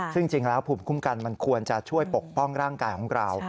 ซึ่งจริงแล้วภูมิคุ้มกันมันควรจะช่วยปกป้องร่างกายของเรา